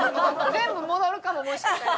全部戻るかももしかしたら。